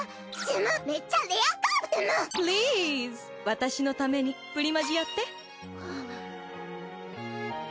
私のためにプリマジやって！